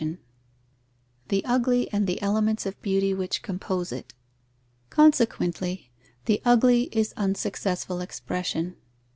The ugly, and the elements of beauty which compose it. Consequently, the ugly is unsuccessful expression.